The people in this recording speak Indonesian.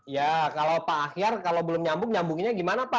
ya kalau pak ahyar kalau belum nyambung nyambunginnya gimana pak